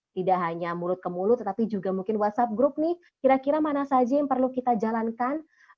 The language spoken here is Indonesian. tidak hanya mulut ke mulut tetapi juga mungkin whatsapp group nih kira kira mana saja yang perlu kita jalankan